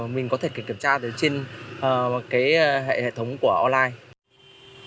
mình có thể kiểm tra từ trên hệ thống của online